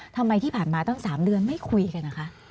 ที่ผ่านมาตั้ง๓เดือนไม่คุยกันนะคะ